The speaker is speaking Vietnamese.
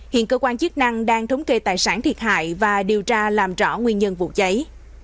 hiện cơ quan chức năng đang thống kê tài sản thiệt hại và điều tra làm rõ nguyên nhân vụ cháy